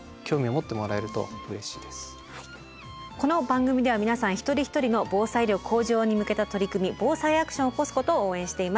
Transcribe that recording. そのためにもこの番組では皆さん一人一人の防災力向上に向けた取り組み「ＢＯＳＡＩアクション」を起こすことを応援しています。